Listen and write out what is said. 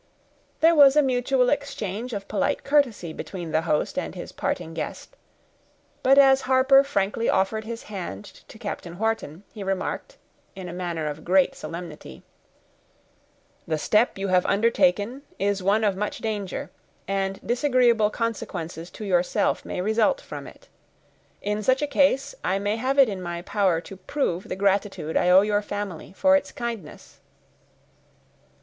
There was a mutual exchange of polite courtesy between the host and his parting guest; but as Harper frankly offered his hand to Captain Wharton, he remarked, in a manner of great solemnity,— "The step you have undertaken is one of much danger, and disagreeable consequences to yourself may result from it; in such a case, I may have it in my power to prove the gratitude I owe your family for its kindness."